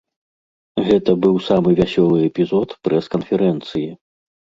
Гэта быў самы вясёлы эпізод прэс-канферэнцыі.